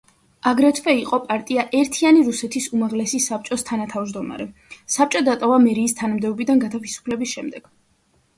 აგრეთვე იყო პარტია ერთიანი რუსეთის უმაღლესი საბჭოს თანათავმჯდომარე; საბჭო დატოვა მერის თანამდებობიდან გათავისუფლების შემდეგ.